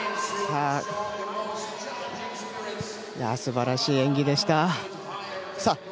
すばらしい演技でした。